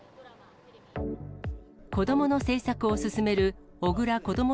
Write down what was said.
子どもの政策を進める小倉こども